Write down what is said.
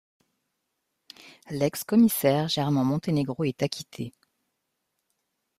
L'ex-commissaire Germán Montenegro est acquitté.